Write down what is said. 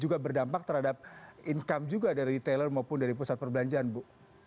juga berdampak terhadap income juga dari retailer maupun dari pusat perbelanjaan bu